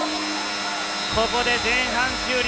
ここで前半終了。